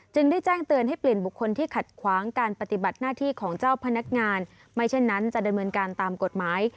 ได้แจ้งเตือนให้เปลี่ยนบุคคลที่ขัดขวางการปฏิบัติหน้าที่ของเจ้าพนักงานไม่เช่นนั้นจะดำเนินการตามกฎหมาย